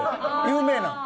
有名なん？